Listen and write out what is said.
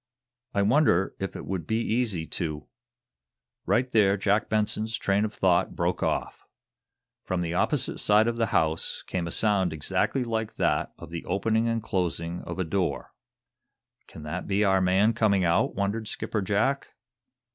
I wonder if it would be easy to " Right there Jack Benson's train of thought broke off. From the opposite side of the house came a sound exactly like that of the opening and closing of a door. "Can that be our man coming out?" wondered Skipper Jack.